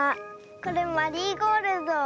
これマリーゴールド。